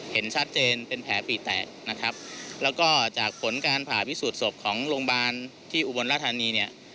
เห็นชัดเจนเป็นแผลปีแตกนะครับแล้วก็จากผลการผ่าพิสูจน์ศพของโรงพยาบาลที่อุบลราชธานีเนี่ย